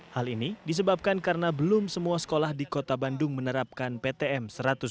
hal ini disebabkan karena belum semua sekolah di kota bandung menerapkan ptm seratus